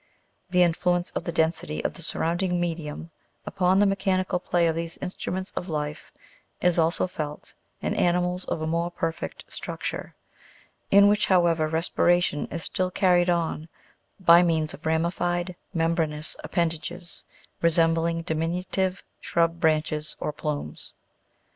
The influence of the density of the surrounding medium upon the mechanical play of these instruments of life is also felt in ani mals of a more perfect structure, in which, however, respiration is still carried on by means of ramified membranous appendages, resembling diminutive shrub branches or plumes.